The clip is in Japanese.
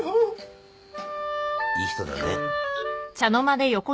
いい人だね。